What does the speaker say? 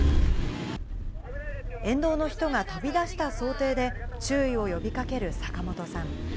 沿道の人が飛び出した想定で、注意を呼びかける坂元さん。